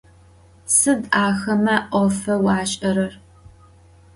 Sıd axeme 'ofeu aş'erer?